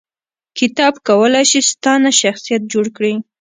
کتاب کولای شي ستا نه شخصیت جوړ کړي